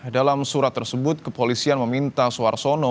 dalam surat tersebut kepolisian meminta suarsono